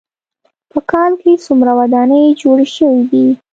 په کال کې څومره ودانۍ جوړې شوې دي.